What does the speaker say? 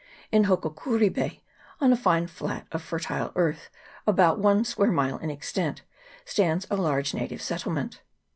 In Hokokuri Bay, on a fine flat of fertile earth about one square mile in extent, stands a large native settlement.